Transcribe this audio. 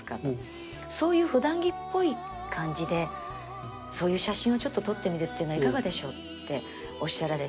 そういうふだん着っぽい感じでそういう写真をちょっと撮ってみるっていうのはいかがでしょう？」っておっしゃられて。